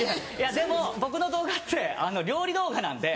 でも僕の動画って料理動画なんで。